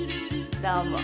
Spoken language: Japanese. どうも。